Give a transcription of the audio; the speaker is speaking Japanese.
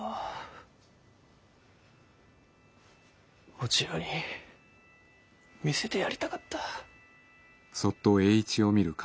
お千代に見せてやりたかった。